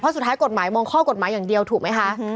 สุดท้ายกฎหมายมองข้อกฎหมายอย่างเดียวถูกไหมคะ